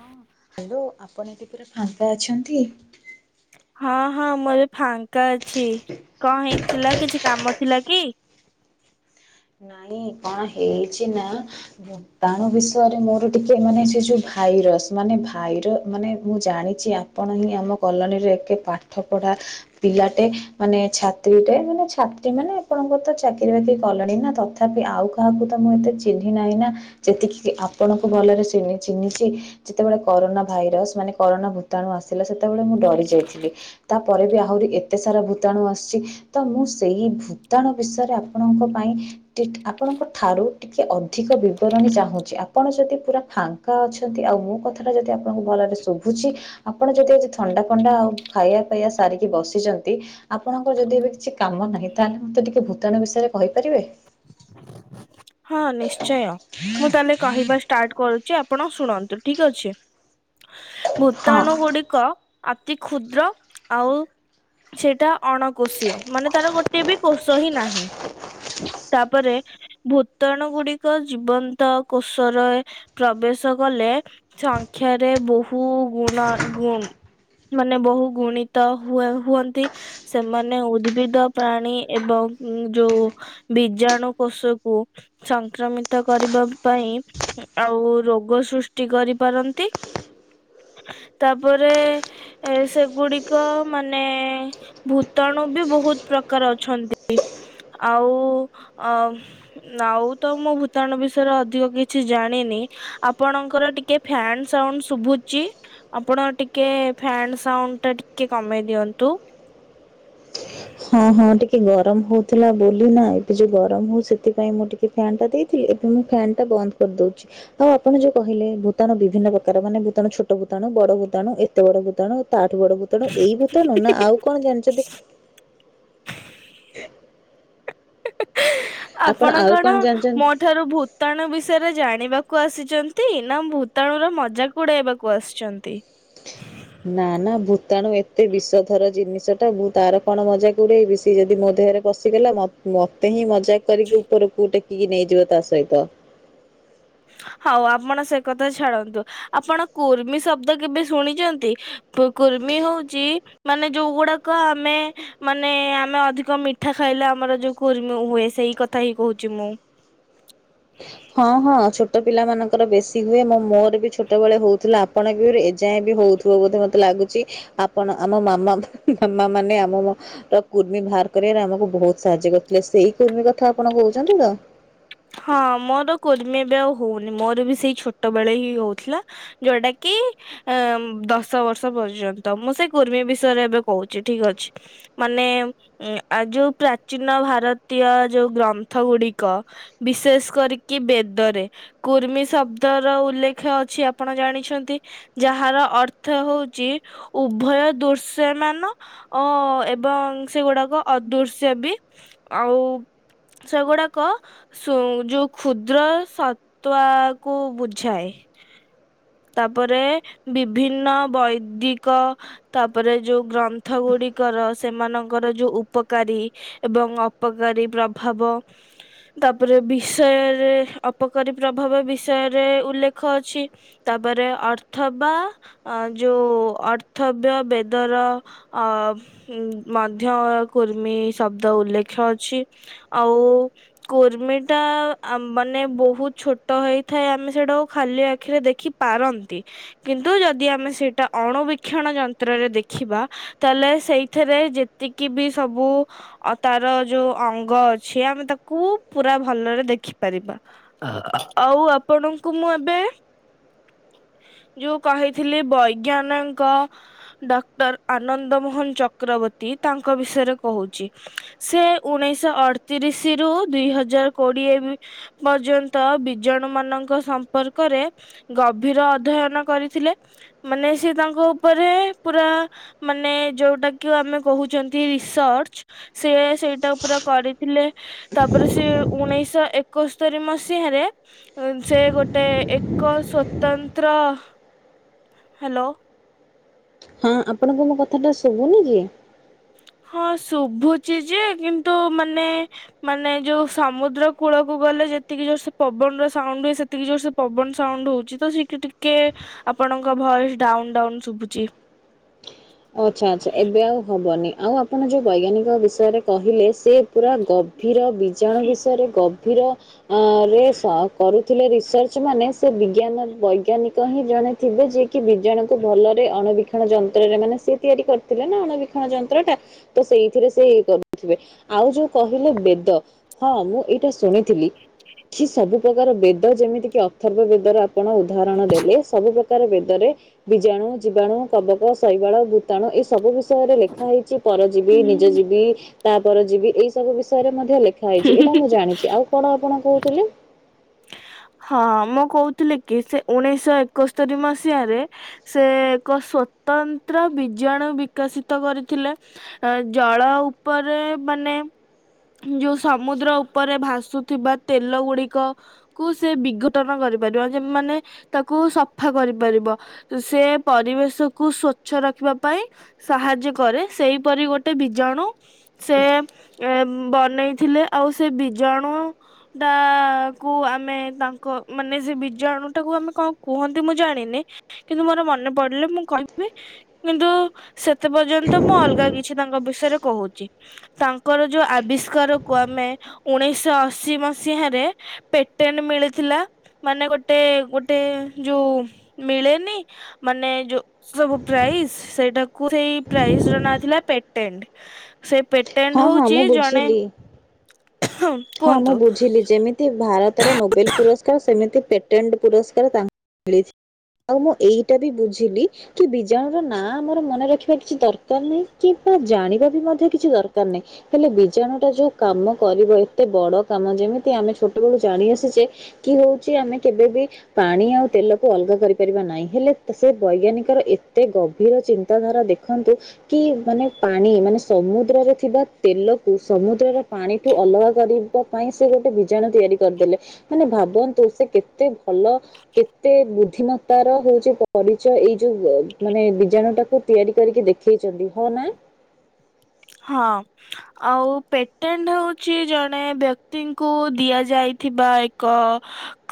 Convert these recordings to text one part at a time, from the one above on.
ହଁ ହ୍ୟାଲୋ ଆପଣ ଏଠି ପୁରା ଫାଙ୍କା ଅଛନ୍ତି? ହଁ ହଁ ମୁଁ ଏବେ ଫାଙ୍କା ଅଛି। କଁ ହେଇଥିଲା କିଛି କାମ ଥିଲା କି? ନାଇଁ କଣ ହେଇଛି ନା ଭୂତାଣୁ ବିଷୟରେ ମୋର ଟିକେ ମାନେ ସେ ଯୋଉ ଭାଇରସ ମାନେ ଭାଇର ମାନେ ମୁଁ ଜାଣିଛି ଆପଣ ହିଁ ଆମ କଲୋନୀରେ ଏକେ ପାଠ ପଢ଼ା ପିଲାଟେ ମାନେ ଛାତ୍ରୀଟେ ମାନେ ଛାତ୍ରୀ ମାନେ ଆପଣଙ୍କର ତ ଚାକିରି ବାକିରି କଲେଣି ନା ତଥାପି ଆଉ କାହାକୁ ତ ମୁଁ ଏତେ ଚିହ୍ନି ନାହିଁ ନା ଯେତିକି ଆପଣଙ୍କୁ ଭଲରେ ଚିନି ଚିହ୍ନିଛି। ଯେତେବେଳେ କରୋନା ଭାଇରସ ମାନେ କରୋନା ଭୂତାଣୁ ଆସିଲା ସେତେବେଳେ ମୁଁ ଡ଼ରି ଯାଇଥିଲି। ତାପରେ ବି ଆହୁରି ଏତେ ସାରା ଭୂତାଣୁ ଆସିଛି ତ ମୁଁ ସେଇ ଭୂତାଣ ବିଷୟରେ ଆପଣଙ୍କ ପାଇଁ ଟିଟ୍ ଆପଣଙ୍କ ଠାରୁ ଟିକେ ଅଧିକ ବିବରଣୀ ଚାହୁଁଛି ଆପଣ ଯଦି ପୁରା ଫାଙ୍କା ଅଛନ୍ତି ଆଉ ମୋ କଥାଟା ଯଦି ଆପଣଙ୍କୁ ଭଲରେ ଶୁଭୁଛି ଆପଣ ଯଦି ଆଜି ଥଣ୍ଡା ଫଣ୍ଡା ଆଉ ଖାଇବା ପାଇବା ସାରିକି ବସିଛନ୍ତି ଆପଣଙ୍କର ଯଦି ଏବେ କିଛି କାମ ନାହିଁ, ତାହେଲେ ମତେ ଟିକେ ଭୂତାଣୁ ବିଷୟରେ କହିପାରିବେ? ହଁ ନିଶ୍ଚୟ। ମୁଁ ତାହେଲେ କହିବା ଷ୍ଟାର୍ଟ କରୁଛି ଆପଣ ଶୁଣନ୍ତୁ ଠିକ୍ ଅଛି। ହଁ। ଭୂତାଣୁ ଗୁଡ଼ିକ ଅତି କ୍ଷୁଦ୍ର ଆଉ ସେଇଟା ଅଣକୋଷୀୟ ମାନେ ତାର ଗୋଟେ ବି କୋଷ ହିଁ ନାହିଁ। ତାପରେ ଭୂତାଣୁ ଗୁଡ଼ିକ ଜୀବନ୍ତ କୋଷରେ ପ୍ରବେଶ କଲେ ସଂଖ୍ୟା ରେ ବହୁ ଗୁଣ ଗୁଣ୍ ମାନେ ବହୁ ଗୁଣିତ ହୁଏ ହୁଅନ୍ତି। ସେମାନେ ଉଦ୍ଭିଦ ପ୍ରାଣୀ ଏବଂ ଯୋଉ ବିଜାଣୁ କୋଷ କୁ ସଂକ୍ରମିତ କରିବା ପାଇଁ ଆଉ ରୋଗ ସୃଷ୍ଟି କରିପାରନ୍ତି। ତାପରେ ଏ ସେଗୁଡ଼ିକ ମାନେ ଭୂତାଣୁ ବି ବହୁତ ପ୍ରକାର ଅଛନ୍ତି। ଆଉ ଅ ନାଉ ତ ମୁଁ ଭୂତାଣୁ ବିଷୟରେ ଅଧିକ କିଛି ଜାଣିନି ଆପଣଙ୍କର ଟିକେ ଫ୍ୟାନ୍ ସାଉଣ୍ଡ ଶୁଭୁଚି। ଆପଣ ଟିକେ ଫ୍ୟାନ୍ ସାଉଣ୍ଡ ଟା ଟିକେ କମେଇ ଦିଅନ୍ତୁ। ହଁ ହଁ ଟିକେ ଗରମ ହୋଉଥିଲା ବୋଲି ନା ଏବେ ଯୋଉ ଗରମ ହଉ ସେଥିପାଇଁ ମୁଁ ଟିକେ ସେ ଫ୍ୟନ୍ ଟା ଦେଇଥିଲେ ଏବେ ମୁଁ ଫ୍ୟାନ୍ ଟା ବନ୍ଦ କରିଦଉଛି। ହୋଉ ଆପଣ ଯୋଉ କହିଲେ ଭୂତାଣ ବିଭିନ୍ନ ପ୍ରକାର ମାନେ ଭୂତାଣୁ ଛୋଟ ଭୂତାଣୁ, ବଡ଼ ଭୂତାଣୁ, ଏତେ ବଡ଼ ଭୂତାଣୁ ତାଠୁ ବଡ଼ ଭୂତାଣୁ ଏଇ ଭୂତାଣୁ ନା ଆଉ କଣ ଜାଣିଛନ୍ତି କହିବେ? ହିଁ ଆପଣ କଣ ମୋ ଠାରୁ ଭୂତାଣୁ ବିଷୟରେ ଜାଣିବାକୁ ଆସିଛନ୍ତି ନା ଭୂତାଣୁ ର ମଜାକ୍ ଉଡ଼ାଇବାକୁ ଆସିଛନ୍ତି? ନା ନା ଭୂତାଣୁ ଏତେ ବିଷଥର ଜିନିଷ ଟା ମୁ ତାର କଣ ମଜାକ୍ ଉଡ଼େଇବି ସେ ଯଦି ମୋ ଦେହରେ ବସିଗଲା ମତ୍ ମତେ ହିଁ ମଜା କରିକି ଉପରକୁ ଟେକିକି ନେଇଯିବ ତା ସହିତ। ହୋଉ ଆପଣ ସେ କଥା ଛାଡ଼ନ୍ତୁ। ଆପଣ କୁର୍ମି ଶବ୍ଦ କେବେ ଶୁଣିଛନ୍ତି? କୁର୍ମି ହୋଉଛି ମାନେ ଯୋଉ ଗୁଡ଼ାକ ଆମେ ମାନେ ଆମେ ଅଧିକ ମିଠା ଖାଇଲେ ଆମର ଯୋଉ କୁର୍ମୀ ହୁଏ ସେଇ କଥା ହିଁ କହୁଛି ମୁଁ। ହଁ ହଁ ଛୋଟ ପିଲାମାନାନଙ୍କର ବେଶୀ ହୁଏ। ମୋ ମୋର ବି ଛୋଟବେଳେ ହୋଉଥିଲା ଆପଣଙ୍କ ଭିଉରେ ଏଯାଏଁ ବି ହଉଥିବ ବୋଧେ ମୋତେ ଲାଗୁଚି। ଆପଣ ଆମ ମାମା ମାମା ମାନେ ଆମ ତ କୁର୍ମୀ ବାହାର କରିବାରେ ଆମକୁ ବହୁତ ସାହାଯ୍ୟ କରିୁଥିଲେ ସେଇ କୁର୍ମୀ କଥା ଆପଣ କହୁଛନ୍ତି ତ। ହଁ ମୋର କୁର୍ମୀ ଏବେ ଆଉ ହଉନି ମୋର ବି ସେଇ ଛୋଟ ବେଳେ ହିଁ ହଉଥିଲା। ଯୋଉଟା କି ଏଁ ଦଶ ବର୍ଷ ପର୍ଯ୍ୟନ୍ତ ମୁଁ ସେଇ କୁର୍ମୀ ବିଷୟରେ ଏବେ କହୁଛି ଠିକ ଅଛି। ମାନେ ଆ ଯୋଉ ପ୍ରାଚୀନ ଭାରତୀୟ ଯୋଉ ଗ୍ରନ୍ଥ ଗୁଡିକ ବିଶେଷ କରିକି ବେଦରେ କୁର୍ମି ଶବ୍ଦର ଉଲ୍ଲେଖ ଅଛି ଆପଣ ଜାଣିଛନ୍ତି। ଯାହାର ଅର୍ଥ ହଉଛି ଉଭୟ ଦୃଶ୍ୟ ମାନ ଓ ଏବଂ ସେଗୁଡାକ ଅଦୃଶ୍ୟ ବି ଆଉ ସେଗୁଡାକ ସୁ ଯୋଉ କ୍ଷୁଦ୍ର ସତ୍ୱା କୁ ବୁଝାଏ। ତାପରେ ବିଭିନ୍ନ ବୈଦିକ ତାପରେ ଯୋଉ ଗ୍ରନ୍ଥ ଗୁଡିକର ସେମାନଙ୍କର ଯୋଉ ଉପକାରୀ। ଏବଂ ଅପକାରୀ ପ୍ରଭାବ ତାପରେ ବିଷୟରେ ଅପକାରୀ ପ୍ରଭାବ ବିଷୟରେ ଉଲ୍ଲେଖ ଅଛି। ତାପରେ ଅର୍ଥ ବା ଅ ଯୋଉ ଅର୍ଥବ୍ୟ ବେଦର ଅ ଉ ମଧ୍ୟ କୁର୍ମୀ ଶବ୍ଦ ଉଲ୍ଲେଖ ଅଛି ଆଉ କୁର୍ମି ଟା ମାନେ ବହୁତ ଛୋଟ ହୋଇଥାଏ ଆମେ ସେଟାକୁ ଖାଲି ଆଖିରେ ଦେଖି ପାରନ୍ତି କିନ୍ତୁ ଯଦି ଆମେ ସେଇଟା ଅଣୁବୀକ୍ଷଣ ଯନ୍ତ୍ରରେ ଦେଖିବା ତାହେଲେ ସେଇଥିରେ ଯେତିକି ବି ସବୁ ଆ ତାର ଯୋଉ ଅଙ୍ଗ ଅଛି ଆମେ ତାକୁ ପୁରା ଭଲରେ ଦେଖିପାରିବା। ଆଉ ଆପଣଙ୍କୁ ମୁଁ ଏବେ ଯୋଉ କହିଥିଲି ବୈଜ୍ଞାନଙ୍କ ଡକ୍ଟର ଆନନ୍ଦ ମୋହନ ଚକ୍ରବର୍ତ୍ତୀ ତାଙ୍କ ବିଷୟରେ କହୁଚି। ସିଏ ଉଣେଇଶହ ଅଡତିରିଶ ରୁ ଦୁଇ ହଜାର କୋଡିଏ ପର୍ଯ୍ୟନ୍ତ ବିଜାଣୁ ମାନଙ୍କ ସମ୍ପର୍କରେ ଗଭୀର ଅଧ୍ୟୟନ କରିଥିଲେ ମାନେ ସେ ତାଙ୍କ ଉପରେ ପୁରା ମାନେ ଯୋଉଟା କି ଆମେ କହୁଛନ୍ତି ରିସର୍ଚ୍ଚ ସିଏ ସେଇଟା ପୁରା କରିଥିଲେ। ତାପରେ ସେ ଉଣେଇଶ ଏକସ୍ତରୀ ମସିହାରେ ସେ ଗୋଟେ ଏକ ସ୍ଵତନ୍ତ୍ର ହ୍ୟାଲୋ। ହୁଁ, ଆପଣଙ୍କୁ ମୋ କଥା ଟା ଶୁଭୁନି କି? ହଁ ଶୁଭୁଛି ଯେ କିନ୍ତୁ ମାନେ ମାନେ ଯୋଉ ସମୁଦ୍ର କୂଳକୁ ଗଲେ ଯେତିକି ଯୋର୍ ସେ ପବନ ର ସାଉଣ୍ଡ ହୁଏ ସେ ଯେତିକି ଜୋର୍ ସେ ପବନ ସାଉଣ୍ଡ ହଉଛି ତ ସେଠି ଟିକେ ଆପଣଙ୍କ ଭଏସ ଡାଉନ ଡାଉନ ଶୁଭୁଛି। ଆଚ୍ଛା ଆଚ୍ଛା ଏବେ ଆଉ ହବନି ଆଉ ଆ ଆପଣ ଯୋଉ ବୈଜ୍ଞାନିକ ବିଷୟରେ କହିଲେ ସେ ପୁରା ଗଭୀର ବୀଜାଣୁ ବିଷୟରେ ଗଭୀର ଅ ରେଷ କରୁ ଥିଲେ ରିସର୍ଚ୍ଚ ମାନେ ସେ ବିଜ୍ଞାନ ବୈଜ୍ଞାନିକ ହିଁ ଜଣେ ଥିବେ ଯିଏ କିି ବିଯାଣୁ କୁ ଭଲରେ ଅଣୁବୀ ବଣ ଯନ୍ତ୍ରରେ ମାନେ ସି ତିଆରି କରିଥିଲେ ନା ଅଣୁବୀକ୍ଷଣ ଯନ୍ତ୍ର ଟା। ତ ସେଇଥିରେ ସେ ଇଏ କରୁଥିବେ ଆଉ ଯୋଉ କହିଲେ ବେଦ। ହଁ ମୁଁ ଏଇଟା ଶୁଣିଥିଲି। ଆଖି ସବୁ ପ୍ରକାର ବେଦ ଯେମିତି କିି ଅଥର୍ବ ବେଦର ଆପଣ ଉଦାହରଣ ଦେଲେ ସବୁ ପ୍ରକାର ବେଦରେ। ବିଜାଣୁ ଜୀବାଣୁ କବକ ଶୈବାଳ ତେଣୁ ଏଇ ସବୁ ବିଷୟରେ ଲେଖା ହେଇଛି ପର ଯିବି ନିଜ ହୁଁ। ଯିବି। ତାପରେ ଯିବି ଏଇ ସବୁ ବିଷୟରେ ମଧ୍ୟ ଲେଖା ହେଇଛି ଏଇଟା ମୁଁ ଜାଣିଛି ଆଉ କଣ ଆପଣ କହୁଥିଲେ। ହଁ ମୁଁ କହୁଥିଲି କି ସେ ଉଣେଇଶହ ଏକସ୍ତରୀ ମସିହାରେ। ସେ ଏକ ସ୍ଵତନ୍ତ୍ର ବିଜାଣୁ ବିକଶିତ କରିଥିଲେ। ଜଳ ଉପରେ ମାନେ। ଯଉ ସମୁଦ୍ର ଉପରେ ଭାସୁଥିବା ତେଲ ଗୁଡିକ। କୁ ସେ ବିଘଟନ କରିପାରିବ ମାନେ ତାକୁ ସଫା କରିପାରିବ। ସେ ପରିବେଶକୁୁ ସ୍ଵଚ୍ଛ ରଖିବା ପାଇଁ। ସାହାଯ୍ୟ କରେ ସେଇପରି ଗୋଟେ ବୀଜାଣୁ। ସେ ଏ ବନେଇଥିଲେ ଆଉ ସେ ବୀଜାଣୁ ଟା। କୁ ଆମେ ତାଙ୍କ ମାନେ ସେ ବୀଜାଣୁ ଟାକୁ ଆମେ କଣ କୁହନ୍ତି ମୁଁ ଜାଣିନି। କିନ୍ତୁ ମୋର ମନେ ପଡିଲେ ମୁଁ କହିବି। କିନ୍ତୁ ସେତେ ପର୍ଯ୍ୟନ୍ତ ମୁଁ ଅଲଗା କିଛି ତାଙ୍କ ବିଷୟରେ କହୁଛି। ତାଙ୍କର ଯୋଉ ଆବିଷ୍କାର କୁ ଆମେ ଉଣେଇଶହ ଅଶି ମସିହାରେ ପେଟେନ ମିଳିଥିଲା ମାନେ ଗୋଟେ ଗୋଟେ ଯୋଉ ମିଳେନି ପେ ମାନେ ଯୋଉ ସବୁ ପ୍ରାଇଜ୍ ସେଇଟାକୁ ସେଇ ପ୍ରାଇଜ୍ ର ନାଁ ଥିଲା ପେଟେଣ୍ଟ। ସେ ପେଟେଣ୍ଟ ହଁ ହଁ ହଉଛି ମୁଁ ଜଣେ। ବୁଝିଲି ହଁ ହଁ ମୁଁ କୁହନ୍ତୁ ବୁଝିଲି ଯେମିତି ଭାରତରେ ନୋବେଲ ପୁରସ୍କାର ସେମିତି ପେଟେଣ୍ଟ। ପେଟେଣ୍ଟ ପୁରସ୍କାର ତାଙ୍କୁ ମିଳିଚି ଆଉ ମୁଁ ଏଇଟା ବି ବୁଝିଲି। କି ବୀଜାଣୁ ର ନାଁ ଆମର ମନେ ରଖିବା କିଛି ଦରକାର ନାହିଁ କିମ୍ବା ଜାଣିବା ବି ମଧ୍ୟ କିଛି ଦରକାର ନାହିଁ। ହେଲେ ବୀଜାଣୁ ଟା ଯୋଉ କାମ କରିବ ଏତେ ବଡ କାମ ଯେମିତି ଆମେ ଛୋଟବେେଳୁ ଜାଣି ଆସିଛେ। କି ହଉଛି ଆମେ କେବେ ବି। ପାଣି ଆଉ ତେଲକୁ ଅଲଗା କରିପାରିବା ନାହିଁ ହେଲେ ସେ ବୈଜ୍ଞାନିକର ଏତେ ଗଭୀର ଚିନ୍ତାଧାରା ଦେଖ। ରଖନ୍ତୁ। କି ମାନେ ପାଣି ମାନେ ସମୁଦ୍ରରେ ଥିବା ତେଲକୁ ସମୁଦ୍ରର ପାଣିଠୁ ଅଲଗା କରିବା ପାଇଁ ସେ ଗୋଟେ ବୀଜାଣୁ ତିଆରି କରିଦେଲେ ମାନେ ଭାବନ୍ତୁ ସେ କେତେ ଭଲ କେତେ ବୁଦ୍ଧିମତ ର ହଉଛି ପରିଚୟ ଏଇ ଯୋଉ ମାନେ ବୀଜାଣୁ ଟାକୁ। ତିଆରି କରିକି ଦେଖେଇଛନ୍ତି ହଁ ନା। ହଁ। ଆଉ ପେଟେଣ୍ଟ ହଉଛି ଜଣେ ବ୍ୟକ୍ତିଙ୍କୁ ଦିଆଯାଇଥିବା ଏକ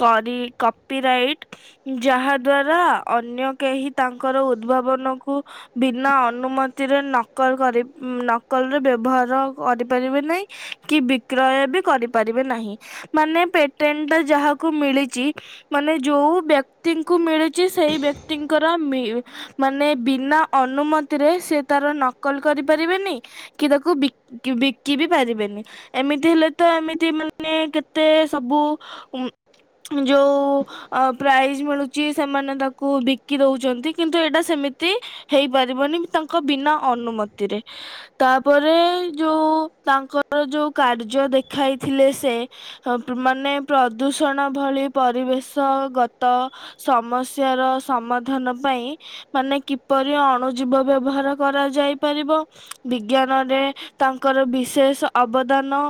କରି କପିରାଇଟ୍। ଯାହା ଦ୍ଵାରା ଅନ୍ୟ କେହି ତାଙ୍କର ଉଦ୍ଭାବନକୁ। ବିନା ଅନୁମତିରେ ନକଲ କରି ନକଲ୍ କଲ୍ ର ବ୍ୟବହାର କରିପାରିବେ ନାହିଁ କି ବିକ୍ରୟ ବି କରିପାରିବେ ନାହିଁ। ମାନେ ପେଟେଣ୍ଟ ଟା ଯାହାକୁ ମିଳିଛି। ମାନେ ଯୋଉ ବ୍ୟକ୍ତି ଙ୍କୁ ମିଳୁଛି ସେଇ ବ୍ୟକ୍ତିଙ୍କର ମାନେ ବିନା ଅନୁମତି ରେ ସେ ତାର ନକଲ କରିପାରିବେନି। କି ତାକୁ ବି ବିକିବି ପାରିବେନି ଏମିତି ହେଲେ ତ ଏମିତି ମାନେ କେତେ ସବୁ ଉଁ ଯୋଉ। ଅ ପ୍ରାଇଜ୍ ମିଳୁଛି ସେମାନେ ତାକୁ ବିକି ଦଉଛନ୍ତି କିନ୍ତୁ ଏଇଟା ସେମିତି ହେଇପାରିବନି କି ତାଙ୍କ ବିନା ଅନୁମତିରେ। ତାପରେ ଯୋଉ ତାଙ୍କର ଯୋଉ କାର୍ଯ୍ୟ ଦେଖାଇଥିଲେ ସେ ହବଟ ମାନେ ପ୍ରଦୂଷଣ ଭଳି ପରିବେଶ ଗତ ସମସ୍ୟା ର ସମାଧାନ ପାଇଁ ମାନେ କିପରି ଅଣୁ ଜୀବ ବ୍ୟବହାର କରାଯାଇ ପାରିବ। ବିଜ୍ଞାନ ରେ ତାଙ୍କର ବିଶେଷ ଅବଦାନ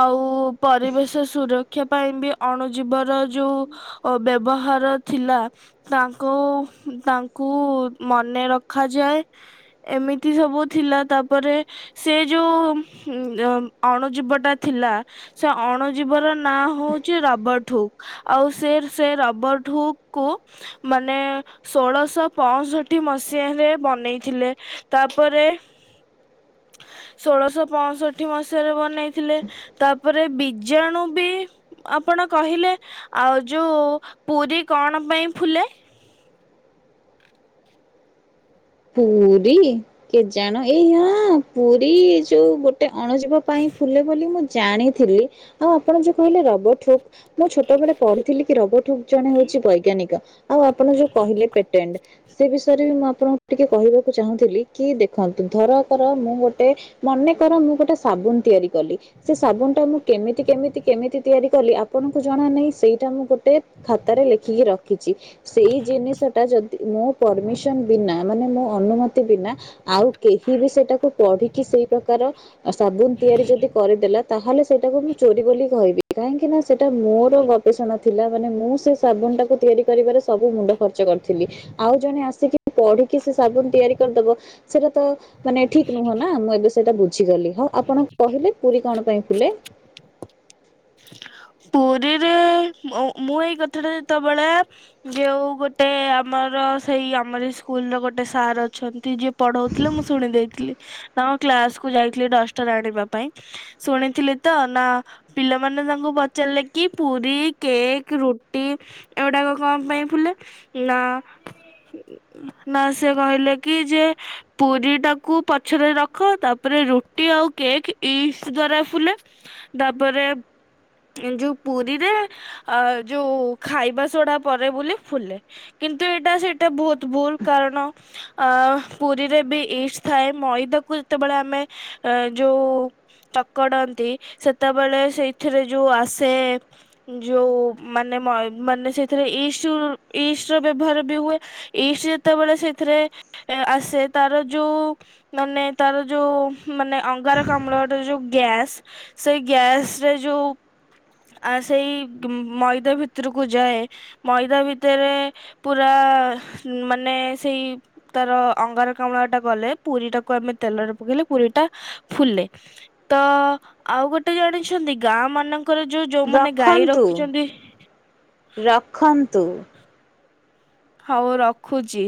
ଆଉ ପରିବେଶ ସୁରକ୍ଷା ପାଇଁ ବି ଅଣୁ ଜୀବ ର ଯୋଉ ଓ ବ୍ୟବହାର ଥିଲା। ତାଙ୍କ ଉମ ତାଙ୍କୁ ମନେ ରଖାଯାଏ। ଏମିତି ସବୁ ଥିଲା ତା ପରେ ସେ ଯୋଉ ହୁମ ଅଣୁଜୀବ ଟା ଥିଲା। ସେ ଅଣୁଜୀବ ର ନାଁ ହଉଛି ରବଟହୁକ୍। ଆଉ ସେ ସେ ରବଟହୁକ୍ କୁ ମାନେ ଷୋଳଶହ ପହଁଷଠି ମସିହାରେ ବନେଇଥିଲେ। ତା ପରେ। ଷୋଳଶହ ପହଁଷଠି ମସିହାରେ ବନେଇଥିଲେ ତା ପରେ ବିୀଜାଣୁ ବି ଆପଣ କହିଲେ ଆଉ ଯୋଉ ପୁରୀ କଣ ପାଇଁ ଫୁଲେ? ପୁରୀ କେଜାଣ ଏଇ ହାଁ ପୁରୀ ଯୋଉ ଗୋ ଟେ ଅଣୁଜୀବ ପାଇଁ ଫୁଲେ ବୋଲି ମୁଁ ଜାଣିଥିଲି ହଁ ଆପଣ ଯୋଉ କହିଲେ ରବଟହୁକ୍ ମୁଁ ଛୋଟବେେଳେ ପଢ଼ିଥିଲି କି ରବଟହୁକ୍ ଜଣେ ହଉଛି ବୈଜ୍ଞାନିକ। ଆଉ ଆପଣ ଯୋଉ କହିଲେ ପେଟେଣ୍ଟ ସେ ବିଷୟରେ ବି ମୁଁ ଆପଣ ଟିକେ କହିବାକୁ ଚାହୁଁଥିଲି କି ଦେଖନ୍ତୁ ଧର କର ମୁଁ ଗୋଟେ ମନେକର ମୁଁ ଗୋଟେ ସାବୁନ୍ ତିଆରି କଲି। ସେ ସାବୁନ ଟା ମୁଁ କେମିତି-କେମିତି-କେମିତି ତିଆରି କଲି ଆପଣଙ୍କୁ ଜଣା ନାହିଁ ସେଇଟା ମୁଁ ଗୋଟେ ଖାତାରେ ଲେଖିକି ରଖିଛି ସେଇ ଜିନିଷ ଟା ଯଦି ମୋ ପରମିସନ୍ ବିନା ମାନେ ମୋ ଅନୁମତି ବିନା ଆଉ କେହି ବି ସେଟାକୁ ପଢ଼ିକି ସେଇ ପ୍ରକାର ସାବୁନ ତିଆରି ଯଦି କରିଦେଲା ତା ହେଲେ ସେଇଟାକୁ ମୁଁ ଚୋରି ବୋଲି କହିବି କାହିଁକି ନା ସେଟା ମୋର ଗ ଭେସଣ ଥିଲା ଥିଲା ମାନେ ମୁଁ ସେ ସାବୁନ ଟାକୁ ତିଆରି କରିବାରେ ସବୁ ମୁଣ୍ଡ ଖର୍ଚ୍ଚ କରିଥିଲି। ଆଉ ଜଣେ ଆସିକି ପଢ଼ି କି ସେ ସାବୁନ ତିଆରି କରିଦବ ସବୁତ ମାନେ ଠିକ ନୁହଁ ନା ମୁଁ ଏବେ ସେଇଟା ବୁଝିଗଲି ହଉ ଆପଣ କହିଲେ ପୁରୀ କଣ ପାଇଁ ଫୁଲେ? ପୁରୀରେ ମୁ ମୁଁ ଏଇ କଥାଟା ଯେତବଳେ ଯୋଉ ଗୋଟେ ଆମର ସେଇ ଆମରି ସ୍କୁଲ୍ ର ଗୋଟେ ସାର୍ ଅଛନ୍ତି ଯିଏ ପଢ଼ଉଥିଲେ ମୁଁ ଶୁଣି ଦେଇଥିଲି। ତାଙ୍କ କ୍ଲାସ୍ କୁ ଯାଇଥିଲି ଡଷ୍ଟର୍ ଆଣିବା ପାଇଁ ଶୁଣିଥିଲି ତ ନା ପିଲାମାନେ ତାଙ୍କୁ ପଚାରିଲେ କି ପୁରୀ, କେକ୍, ରୁଟି ଏ ଗୁଡାକ କଣ ପାଇଁ ଫୁଲେ ନା ନା ସେ କହିଲେ କି ଯେ ପୁରୀ ଟାକୁ ପଛରେ ରଖ ତା ପରେ ରୁଟି ଆଉ କେକ୍ ଇଷ୍ଟ ଦ୍ଵାରା ଫୁଲେ। ତା ପରେ ଯୋଉ ପୁରୀରେ ଅ ଯୋଉ ଖାଇବା ସୋଡା ପଡେ ବୋଲି ଫୁଲେ। କିନ୍ତୁ ଏଇଟା ସେଇଟା ବହୁତ ଭୁଲ କାରଣ। ଅ ପୁରୀରେ ବି ଇଷ୍ଟ ଥାଏ। ମଇଦାକୁ ଯେତେବେଳେ ଆମେ ଅ ଯୋଉ ଚକଡନ୍ତି ସେତେବେଳେ ସେଇଥିରେ ଯୋଉ ଆସେ ଯୋଉ ମାନେ ମଇ ମାନେ ସେଇଥିରେ ଇଷ୍ଟ ଇଷ୍ଟ ର ବ୍ୟବହାର ବି ହୁଏ। ଇଷ୍ଟ ଯେତେବେଳେ ସେଥିରେ ଆସେ ତାର ଯୋଉ ମାନେ ତାର ଯୋଉ ମାନେ ଅଙ୍ଗାରକାମ୍ଳ ର ଯୋଉ ଗ୍ୟାସ୍ ସେଇ ଗ୍ୟାସ ରେ ଯୋଉ ସେଇ ମଇଦା ଭିତରକୁ ଯାଏ ମଇଦା ଭିତରେ ପୁରା ମାନେ ସେଇ ତାର ଅଙ୍ଗାରକାମ୍ଳ ଟା ଗଲେ ପୁରୀ ଟାକୁ ଆମେ ତେଲରେ ପକେଇଲେ ପୁରୀ ଟା ଫୁଲେ। ତ ଆଉ ଗୋଟେ ଜାଣିଛନ୍ତି ଗାଁ ମାନଙ୍କର ଯୋଉ ଯୋଉମାନେ ଗାଈ ରଖନ୍ତୁ ରଖିଛନ୍ତି। ରଖନ୍ତୁ। ହଉ ରଖୁଛି।